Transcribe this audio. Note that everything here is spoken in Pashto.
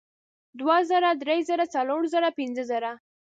دوه زره درې زره څلور زره پینځه زره